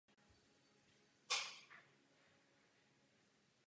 Podmínky ve skleníku však byly přizpůsobeny místu přirozeného výskytu.